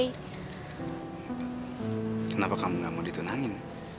kenapa kamu gak mau ditenangin